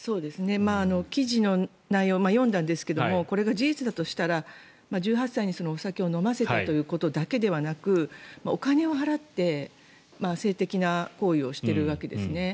記事の内容を読んだんですけどもこれが事実だとしたら１８歳にお酒を飲ませているというだけではなくお金を払って性的な行為をしているわけです。